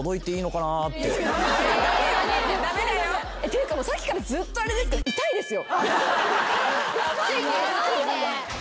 っていうかさっきからずっとあれですけど。